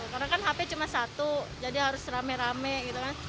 karena kan hp cuma satu jadi harus rame rame gitu kan